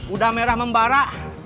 udah merah membara